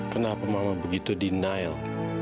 kenapa mama begitu denial